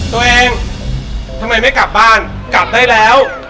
ตัวเองทำไมไม่กลับบ้านกลับได้แล้ว